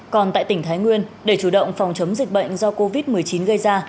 còn tại tỉnh thái nguyên để chủ động phòng chống dịch bệnh do covid một mươi chín gây ra